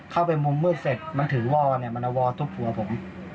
เข้าไปมุมมืดเสร็จมันถือวอเนี่ยมันเอาวอทุบหัวผม